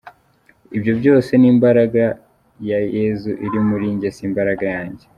Ibyo byose ni imbaraga ya Yesu iri muri njye si imbaraga yanjye.